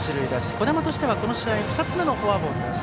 児玉としては、この試合２つ目のフォアボールです。